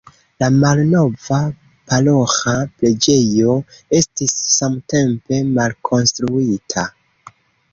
La malnova paroĥa preĝejo estis samtempe malkonstruita.